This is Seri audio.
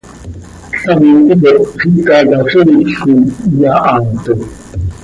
Ctam ticop xicaquiziil coi iyahaato.